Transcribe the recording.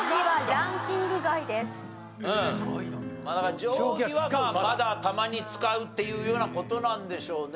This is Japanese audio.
だから定規はまだたまに使うっていうような事なんでしょうね。